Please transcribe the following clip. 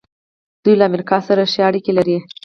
دوی له امریکا سره ښې اړیکې لري.